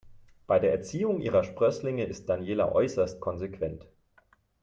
Bei der Erziehung ihrer Sprösslinge ist Daniela äußerst konsequent.